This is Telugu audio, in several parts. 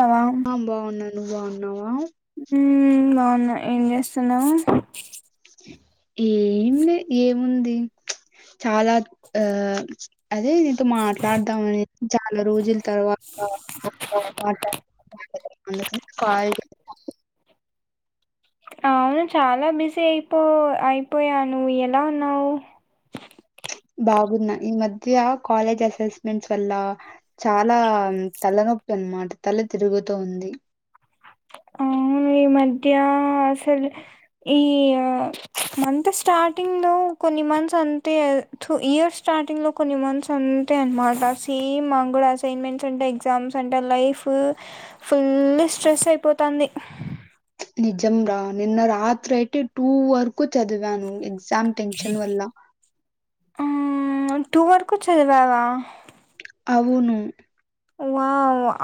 బావా ఆ బాగున్నా నువ్వు బాగున్నావా ఉమ్ బాగున్నా ఏం చేస్తున్నావు ఏం లే ఏముంది చాలా ఆ అదే నీతో మాట్లాడదామని చాలా రోజుల తర్వాత అందుకని కాల్ చే అవును చాలా బిజీ అయిపో అయిపోయాను నువ్వు ఎలా ఉన్నావు. బాగున్నా ఈ మధ్య కాలేజ్ అసెస్మెంట్స్ వల్ల చాలా తలనొప్పి అనమాట తల తిరుగుతూ ఉంది అవున్ ఈ మధ్య అసలు ఈ మంత్ స్టార్టింగ్ లో కొన్ని మంత్స్ అంతే తు ఇయర్ స్టార్టింగ్ లో కొన్ని మంత్స్ అంతే అనమాట సేమ్ మాగుడ అసైన్మెంట్స్ ఉంటయ్ ఎగ్జామ్స్ ఉంటయ్ లైఫ్ ఫుల్ స్ట్రెస్ అయిపో పోతాంది నిజం రా నిన్న రాత్రి అయితే టూ వరకు చదివాను గ్జామ్ టెన్షన్ వల్లా మ్ టూ వరకు చదివావా అవును వా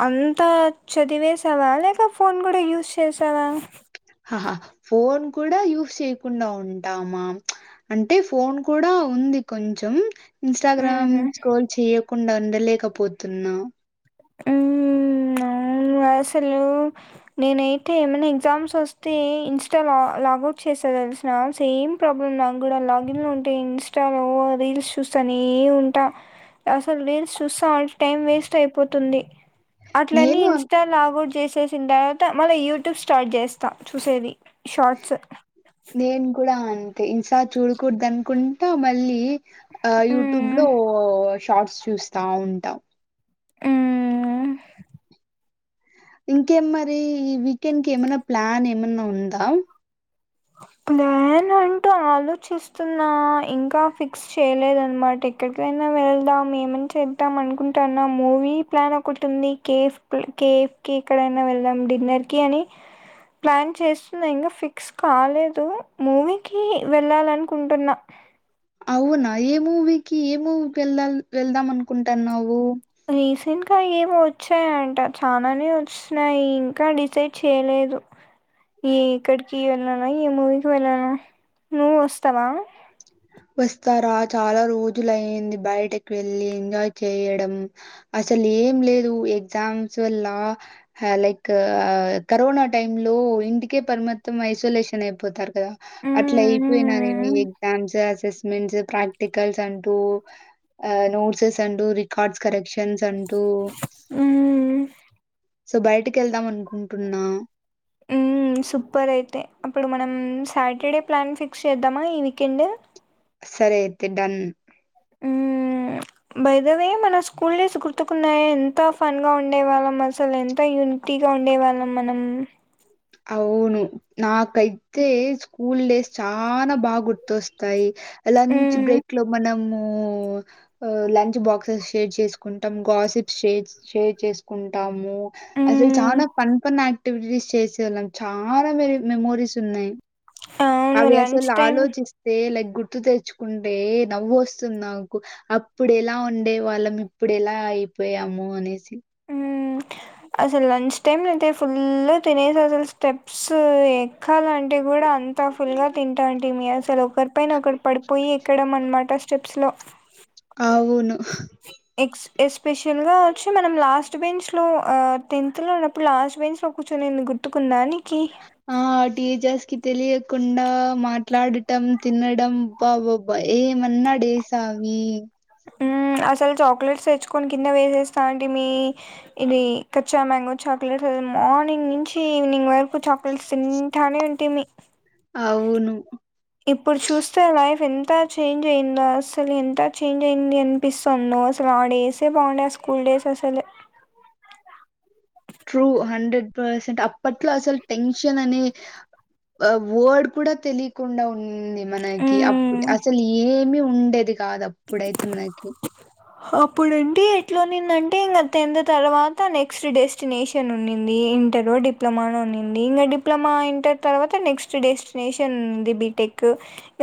అంతా చదివేసావా లేక ఫోన్ కూడా యూజ్ చేసావా అ హా ఫోన్ కూడా యూస్ చేయకుండా ఉంటామా అంటే ఫోన్ కూడా ఉ ంది కొంచం ఇన్స్టాగ్రామ్ మ్మ్ స్క్రోల్ చేయకుండా ఉండలేకపోతున్నా ఊ మ్ అసలు నేనైతే ఏమైనా ఎగ్జామ్స్ వస్తే ఇన్స్టా లా లాగౌట్ చేసా తెలిసిన సేమ్ ప్రాబ్లమ్ నాకు కూడా లాగిన్ లో ఉంటే ఇన్స్టా లో రీల్స్ చూస్తానే ఉం ట అసలు రీల్స్ చూస్తా టైం వేస్ట్ అయిపోతుంది అట్లని నేను అన్ ఇన్స్టా లాగౌట్ చేసేసిన తర్వాత మళ్ళీ యూట్యూబ్ స్టార్ట్ చేస్తా చూసేది షార్ట్స్ నేను కూడా అంతే ఈసారి చూడకూడదు అనుకుంటా మళ్ళీ ఆ యూట్యూబ్ హ్మ్. లో షార్ట్స్ చూస్తా ఉంటా హ్మ్. ఇంకే మరి ఈ వీకెండ్ కి ఏమైనా ప్లాన్ ఏమైన్నా ఉందా ప్లాన్ ఉంటా ఆలోచిస్తున్నా ఇంకా ఫిక్స్ చేయలేదనమాట ఎక్కడికైనా వెళదాం ఏమన చే ద్దాం అనుకుంటాన్నా మూవీ ప్లాన్ ఒకటి ఉంది కేఫ్ కేఫ్ కి ఎక్కడైనా వెళ్దాం డిన్నర్ కి అని ప్లాన్ చేస్తున్న ఇంగ ఫిక్స్ కాలేదు మూవీకి వెళ్ళాలనుకుంటున్నా అవునా ఏ మూవీకి ఏ మూవీకి వెళ్ద వెళ్దాం అనుకుంటానున్నావు రీసెంట్గా ఎవో వచ్చాయంట చానానే వచ్చినయి ఇంకా డిసైడ్ చేయలేదు ఏ ఇక్కడికి వెళ్ళనా ఏ మూవీకి వెళ్ళనా నువ్వు వస్తావా వస్తారా చాలా రోజులు అయింది బయటకి వెళ్ళి ఎంజాయ్ చేయడం అసలు ఏం లేదు ఎగ్జామ్స్ వల్ల హా లైక్ కరోనా టైమ్ లో ఓ ఇంటికే పరమత్తం ఐసోలేషన్ అయిపోతారు కదా అట్లా మ్మ్, అయిపోయిన నే మ్మ్, ఎగ్జామ్స్ అసెస్మెంట్స్ ప్రాక్టికల్స్ అంటూ నోట్సెస్ రికార్డ్ కరెక్ష స్ అంటూ మ్మ్. సో బయటకి వెళ్దాం అనుకుంటున్నా ఉ సూపర్ అయితే అప్పుడు మనం ఊ మ్ సాటర్డే ప్లాన్ ఫిక్స్ చేద్దామా ఈ వీకెండ్ సరే అయితే డన్ ఊ మ్ మ్ భైదవే మన స్కూల్ డేస్ గుర్తుకున్నాయా ఎంత ఫన్ గా ఉండేవాళ్ళం అసలు ఎంత యూనిటీగా ఉండే వాళ్ళం మనం అవును నాకైతే స్కూల్ డేస్ చానా బాగా గుర్తొస్తాయి లంచ్ హ్మ్ బ్రేక్ లో మనము ము లంచ్ బాక్సెస్ షేర్ చేసుకుంటాం గాసిప్స్ షే షేర్ చేస్ కుంటాము అసలు హ్మ్ చాలా ఫన్ ఫన్ యాక్టివిటీస్ చేసి ళ్ళం చాలా మెరి-మెమోరీస్ ఉన్నాయి అవును అవి లంచ్ అసలు టైం ఆలోచిస్తే లైక్ గుర్తు తెచ్చుకుంటే నవ్వు వస్తుంది నాకు అప్పుడు ఎలా ఉండే వాళ్ళం ఇప్పుడెలా ఇపోయాము అనేసి హ అసలు లంచ్ టైమ్ లేయితే ఫుల్ తినేసి అసలు స్టెప్స్ ఎక్కాలంటే కూడా అంత త్తాఫుల్గా తింటాం మీ అసలు ఒకరిపైన ఒకరు పడిపోయి ఎక్కడం అనమాట స్టెప్స్లో అవున ఎస్పెషల్గా వచ్చి మనం లాస్ట్ బెంచ్ లో టెన్త్ లో ఉన్నప్పుడు లాస్ట్ బెంచ్ లో కూర్చొనినేందు గుర్ గుర్తుకుందాని ఆ టీచర్స్ కీ తెలియకుండా మాట్లాడటం తినడం బాబాబ్బా ఏమన్నా డేస్ అ హ్మ్ అసలు చాక్లెట్స్ తెచ్చుకొని కింద వేసేస్తా అంటడి మీ ఇది కచ్చా మ్యాంగో చ చాక్లెట్స్ అ మార్నింగ్ నుంచి ఈవినింగ్ వరకు చాక్లెట్స్ తింటానే ఉంటిమి అవును ఇప్పుడు చూస్తే లైఫ్ ఎంత చేంజ్ అయిందో అసలు ఎంత చేంజ్ అయింది అనిపిస్తుంది సలా డేస్ బాగుండ స్కూల్ డేస్ అసలు ట్రూ హండ్రెడ్ పర్సెంట్ అప్పట్లో అసలు టెన్షన్ అనే వర్డ్ కూడా తెలియకుండా ఉంది మనకి అప్పు మ్మ్ అసలు ఏమి ఉండేది కాదు అప్పుడైతే మనకి అప్పుడండి ఎట్లాన్నిందంటే ఇంకా తింద తర్వాత నెక్స్ట్ డెస్టినేషన్ ఉన్నింది ఇంటర్ డిప్లొమా ఉన్నింది ఇంకా డిప్లొమా ఇంటర్ తర్వాత నెక్స్ట్ డెస్టినేషన్ ఉంది బిటి టెక్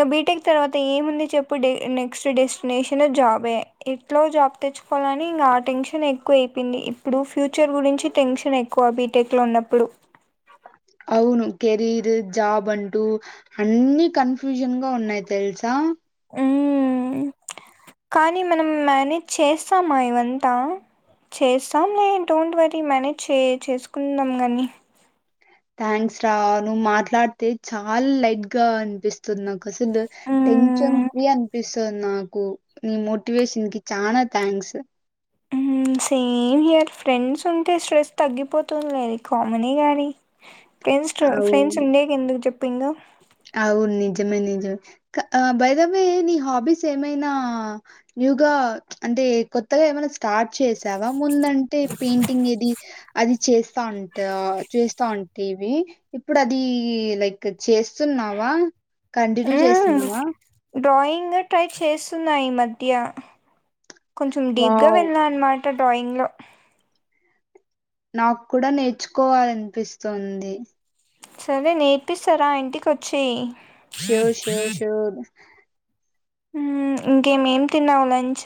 ఇం బీటెక్ తర్వాత ఏముంది చెప్పు నెక్స్ట్ డెస్టినేషన్ జాబే ఎట్లో జాబ్ తెచ్చుకోవాలని ఇంకా ఆ టెన్షన్ ఎక్కువ అయిపోయింది ఇప్పుడు ఫ్యూచర్ గురించి టెన్షన్ ఎక్కువ బీటెక్ లో ఉన్నప్పుడు అవును కెరీర్ జాబ్ అంటూ అన్ని కన్ఫ్యూషన్ గా ఉన్నాయి తెలుసా కానీ మనం మేనేజ్ చేస్తామా ఇవంతా చేస్తాం లే డోంట్ వరీ మేనేజ్ చే చేసుకుందాం కానీ థ్యాంక్స్ రా నువ్వు మాట్లాడితే చాలా లైట్ గా అనిపిస్తుంది నాకు అసలు టెన్షన్ మ్మ్ ఫ్రీ అనిపిస్తుంది సో నాకు నీ మోటివేషన్ కి చనా థ్యాంక్స్ హ సేమ్ ఇయర్ ఫ్రెండ్స్ ఉంటే స్ట్రెస్ తగ్గిపోతుంది లేదు కామనీ కాగాని ఫ్రెండ్స్ ఫ్రెండ్స్ అవును. ఉండేకి ఎందుకు చెప్పింకా నిమే ని బైదవే నీ హాబీస్ ఏమైనా న్యూ గ కొత్తగా ఏమైనా స్టార్ట్ చేసావా ముందంటే పెయింటింగ్ ఏది అది చేస్తా ఉంట చేస్తా ఉంటేవి ఇప్పుడు అది లైక్ చేస్తున్నావా కంటిన్యూ హ్మ్. చేస్తున్నావా డ్రాయింగ్ ట్రై చేస్తున్నా ఇమధ్య కొంచెం డీప్ గా వావ్! వెళ్ళా అనమాట డ్రాయింగ్ లో నాకు కూడా నేర్చుకోవాలనిపిస్తుంది సరే నేర్పిస్తారా ఇంటికొచ్చాయి సోర్ సోర్ సోర్ ఇంకేమేం తిన్నావు లంచ్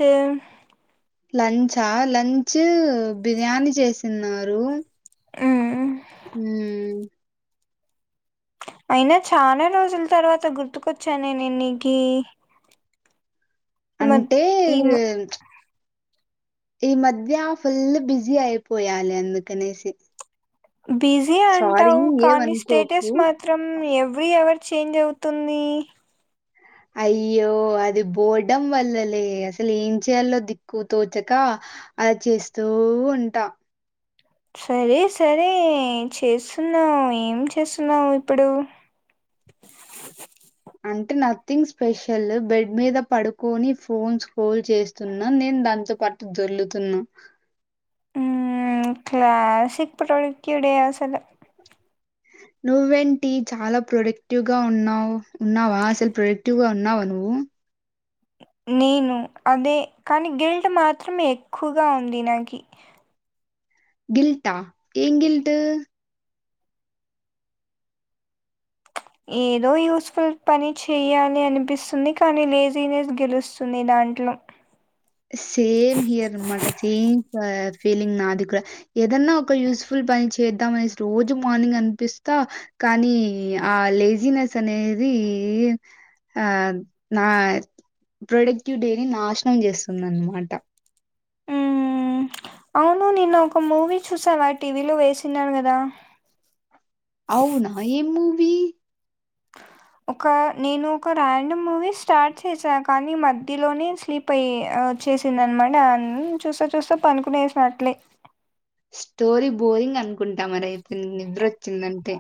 లంచా లంచ్ బిర్యానీ చేసన్నారు ఆ హ్మ్మ్ అయినా చాలా రోజుల తర్వాత గుర్తుకొచ్చాను న న ఎ నికి [inaudible] అంటే ఈ మధ్య ఫుల్ బిజీ అయిపోయాలే అందుకనేసి బిజీ సారీ అంటావు కానీ స్టేటస్ ఏమనుకోకు మాత్రం ఎవ ఎవ్రీ అవర్ చేంజ్ అవుతుంది అయ్యో అది పోడ్డం వల్లలే అసలు ఏం చేయాలో దిక్కు తోచక అ చేస్తూ ఉంటాం. సరే సరే చేస్తున్నావు ఏం చేస్తున్నావు ఇప్పుడు అంటే నథింగ్ స్పెషల్ బెడ్ మీద పడుకొని ఫోన్స్ పోల్ చేస్తున్నా నే దాంతో పాటు దోర్లుతున్నా ఊ క్లాసిక్ పడుడుక్యూడిసలు అ నువ్వేంటి చాలా ప్రొడక్టివ్ గా ఉన్నావ్, ఉన్నావా అసలు ప్రొడక్టివ్గా ఉన్నావా నువ్వు. నేను అదే కానీ గిల్ట్ మాత్రమే ఎక్కువగా ఉంది నాకి గిల్టా ఏం గిల్టు ఏదో యూస్ఫుల్ పని చేయాలి అనిపిస్తుంది కానీ లేజీనెస్ గెలుస్తుంది దాంట్లో. నో సేమ్ హియర్ మాట సేమ్ ఫీలింగ్ నాదికుడా ఏదన్నా ఒక యూస్ఫుల్ పని చేద్దాం అనేసి రోజు మార్నింగ్ అనిపిస్తా కానీ ఆ లేజినెస్ అనేది ఆ నా ప్రొడక్టివిటీ డేని నాశనం చేస్తుందిన్నమాట. ఉహు అవును నిన్న ఒక మూవీ చూసావా టీవీలో వేసినారు కదా అవునా ఏం మూవి? హ ఒక నేను ఒక ర్యాండమ్ మూవీ స్టార్ట్ చేసా కానీ మధ్యలోనే స్లిప్ అయ్య అ వచ్చేసింది అనమాట అన్ చూస్తా చూస్తా పనుకునేసినట్లే. స్టోరీ బోరింగ్ అనుకుంటా మరయితే నిద్ర వచ్చిందంటే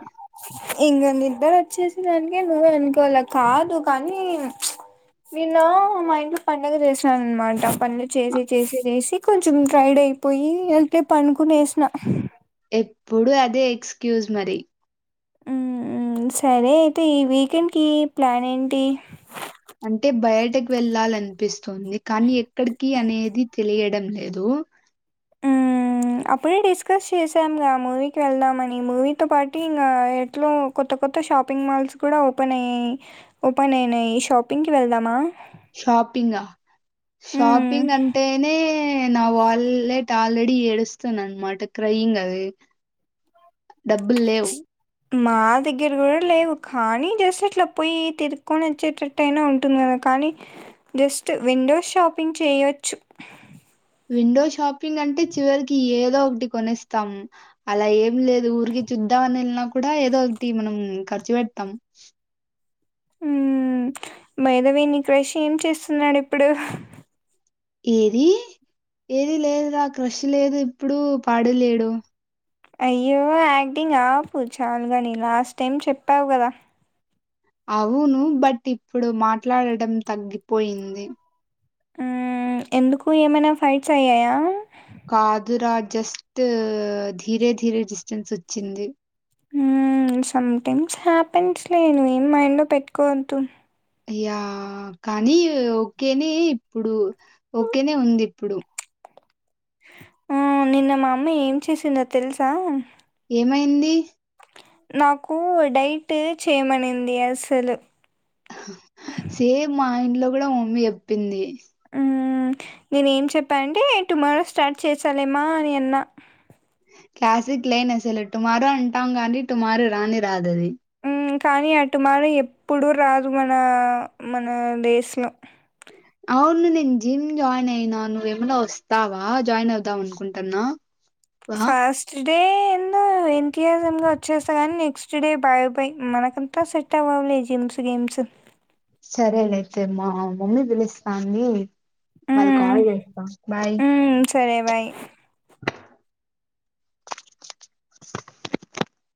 ఇంకా నిద్దరు వచ్చేసి దానికే నో అనుకోవాల కాదు కానీ నిన్న మా ఇంట్లో పండగ చేసినాను అనమాట పనులు చేసి చేసి చేసి కొంచెం టైడ్ అయిపోయి ఎల్లిపో పనుకునేసిన ఎప్పుడు అదే ఎక్స్క్యూజ్ మరి ఉ ఉ సరే అయితే ఈ వీకెండ్కి ప్లాన్ ఏంటి? అంటే బయటక్ వెళ్లాలనిపిస్తుంది కానీ, ఎక్కడికి అనేది తెలియడం లేదు. ఊ అప్పుడే డిస్కస్ చేసాము రా మూవీకి వెళ్దాంని మూవీతో పాటు ఇంకా ఎట్లో కొత్త కొత్త త షాపింగ్ మాల్స్ కూడా ఓపెన్ అయ్యాయి, ఓపెన్ అయినాయి షాపింగ్ కి వెళ్దామా. షాపింగ్ అ హ్మ్. షాపింగ్ అంటేనే నా వాళ్ళే ట ఆల్రెడీ ఏడుస్తాను అన్నమాట క్రయింగ్ అది డబ్బులు లేవు. మా దగ్గర కూడా లేవు కానీ జస్ట్ అట్లా పోయి తిరుక్కకొని వచ్చేటట్టు అయినా ఉంటుంది క కానీ జస్ట్ విండోస్ షాపింగ్ చేయవచ్చు విండో షాపింగ్ అంటే చివరికి ఏదో ఒకటి కొనేస్తాం అలా ఏం లేదు ఊరికి చూద్దామని వెళ్ళినా కూడా ఏదో ఒకటి మనం ఖర్చు పెడతాం. ఉ మైదావే నీ క్రష్ ఏం చేస్తున్నాడు ఇప్పుడు ఏది ఏది లేదు రా క్రష్ లేదు ఇప్పుడు పాడు లేడు అయ్యో యాక్టింగ్ ఆపు చాలుగానీ లాస్ట్ టైమ్ చెప్పావు కదా. అవును బట్ ఇప్పుడు మాట్లాడటం తగ్గిపోయింది. ఊ ఎందుకు ఏమైనా ఫైట్స్ అయ్యాయా? కాదురా జస్ట్ ధీరే ధీరే డిస్టెన్స్ వచ్చింది. ఊ సమ్ టైమ్స్ హ్యాపెండ్స్ లే నువేమి మైండ్ లో పెట్టుకోవద్దు. య్యా కానీ ఓకేనే ఇప్పుడు ఓకేనే ఉంది ఇప్పుడు. ఆ నిన్న మా అమ్మ ఏం చేసిందో తెలుసా? ఏమైంది నాకు ఒడైట్ చేయమనింది అసలు సేమ్ మా ఇంట్లో కూడా మమ్మీ చెప్పింది. నేను ఏం చెప్పా అంటే టుమారో స్టార్ట్ చేసాలేమ అని అన్నా క్లాసిక్ లైన్ అసలు టుమారో అంటాం కానీ టుమారో రానే రాదది ఉ కానీ ఆ టుమారో ఎప్పుడు రాదు మన మన డేస్ లో అవును నేను జిమ్ జాయిన్ అయినా నువ్వేమనా వస్తావా జాయిన్ అవుదాం అనుకుంటాన్నా ఫస్ట్ డే ఎన్ను వచ్చేస్తా ని నెక్స్ట్ డే బాయ బై మనకంతా సెట్ అవ్వలే జిమ్స్ గేమ్స్ మ్స్ సరేలే అయితే మా మమ్మీ పిలుస్తోంది మళ్లీ హ్మ్ కాల్ చేస్తా బాయ్ హ్మ్ సరే బాయ్ [inaudible] [inaudible]